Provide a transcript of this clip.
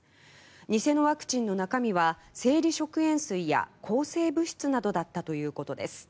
偽のワクチンの中身は生理食塩水や抗生物質などだったということです。